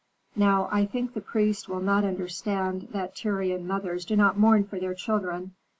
Now I think the prince will not wonder that Tyrian mothers do not mourn for their children.